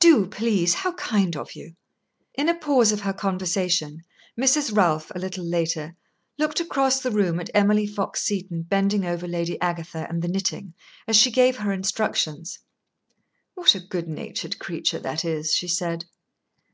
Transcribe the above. "Do, please. How kind of you!" In a pause of her conversation, Mrs. Ralph, a little later, looked across the room at Emily Fox Seton bending over Lady Agatha and the knitting, as she gave her instructions. "What a good natured creature that is!" she said.